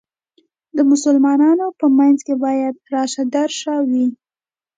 د مسلمانانو په منځ کې باید راشه درشه وي.